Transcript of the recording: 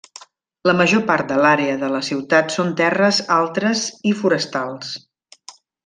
La major part de l'àrea de la ciutat són terres altres i forestals.